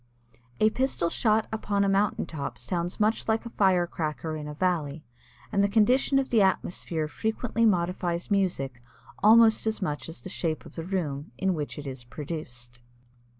A pistol shot upon a mountain top sounds much like a fire cracker in a valley, and the condition of the atmosphere frequently modifies music almost as much as the shape of the room in which it is produced.